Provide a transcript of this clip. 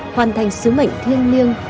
hoàn thành sứ mệnh thiên niên